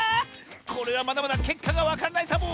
これはまだまだけっかがわからないサボ！